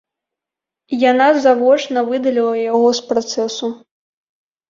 Яна завочна выдаліла яго з працэсу.